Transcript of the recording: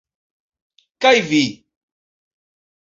Kaj vi?